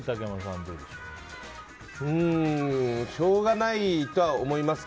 しょうがないと思いますね。